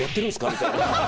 みたいな。